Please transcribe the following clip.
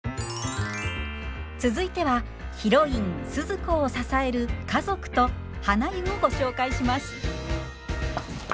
続いてはヒロインスズ子を支える家族とはな湯をご紹介します。